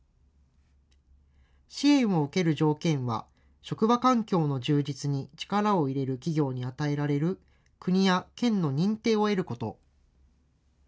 支援を受ける条件は、職場環境の充実に力を入れる企業に与えられる、国や県の認定を得ること。